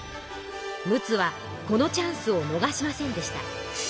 陸奥はこのチャンスをのがしませんでした。